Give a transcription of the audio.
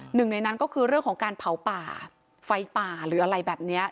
หนึ่งในนั้นก็คือเรื่องของการเผาป่าไฟป่าหรืออะไรแบบนี้